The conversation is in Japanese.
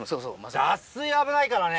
脱水危ないからね。